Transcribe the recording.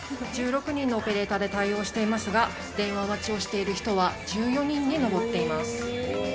１６人のオペレーターで対応していますが、電話待ちをしている人は１４人に上っています。